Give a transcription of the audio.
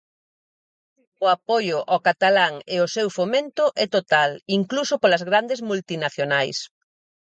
O apoio ao catalán e o seu fomento é total, incluso polas grandes multinacionais.